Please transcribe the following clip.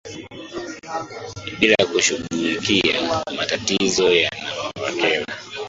bila kushughulikia matatizo yanayowakera